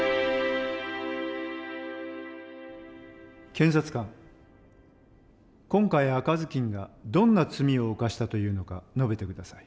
検察官今回赤ずきんがどんな罪を犯したというのか述べて下さい。